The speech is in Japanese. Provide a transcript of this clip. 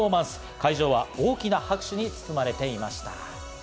会場は大きな拍手に包まれていました。